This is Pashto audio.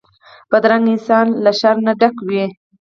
بدرنګه انسان له شر نه ډک وي